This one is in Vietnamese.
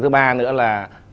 thứ ba nữa là